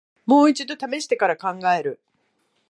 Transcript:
もう一度ためしてから考える